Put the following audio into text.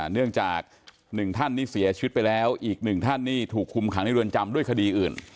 เนื่องจาก๑ท่านนี่เสียชีวิตไปแล้วอีกหนึ่งท่านนี่ถูกคุมขังในเรือนจำด้วยคดีอื่น